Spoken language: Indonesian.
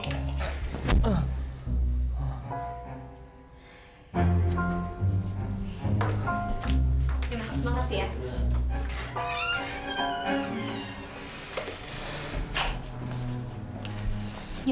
nah terima kasih ya